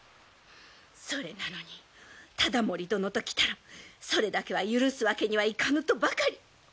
それなのに忠盛殿ときたらそれだけは許すわけにはいかぬとばかり。